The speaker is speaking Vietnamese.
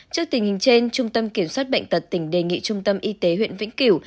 trước tình hình trên trung tâm kiểm soát bệnh tật tỉnh đề nghị trung tâm y tế huyện vĩnh cửu